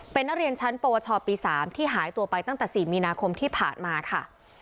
เป็นนักเรียนชั้นปวชปี๓ที่หายตัวไปตั้งแต่๔มีนาคมที่ผ่านมาค่ะ